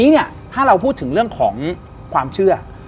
ทีนี้เนี่ยถ้าเราพูดถึงเรื่องของความเชื่อ